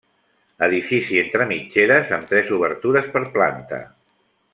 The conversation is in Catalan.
Edifici entre mitgeres amb tres obertures per planta.